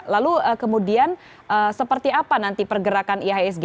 lalu kemudian seperti apa nanti pergerakan ihsg